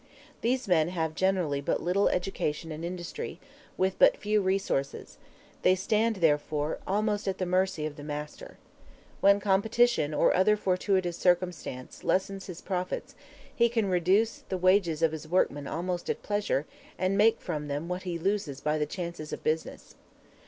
These men have generally but little education and industry, with but few resources; they stand therefore almost at the mercy of the master. When competition, or other fortuitous circumstances, lessen his profits, he can reduce the wages of his workmen almost at pleasure, and make from them what he loses by the chances of business.